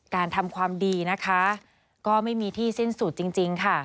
ทำความดีนะคะก็ไม่มีที่สิ้นสุดจริงค่ะ